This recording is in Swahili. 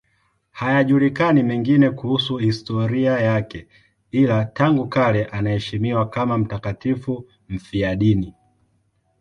Hayajulikani mengine kuhusu historia yake, ila tangu kale anaheshimiwa kama mtakatifu mfiadini.